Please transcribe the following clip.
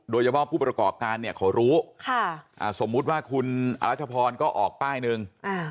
โดยเฉพาะผู้ประกอบการเนี่ยเขารู้สมมุติว่าคุณอรัชพรก็ออกป้ายหนึ่ง